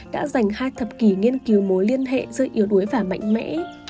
đã dành hai thập kỷ nghiên cứu mối liên hệ giữa yếu đuối và mạnh mẽ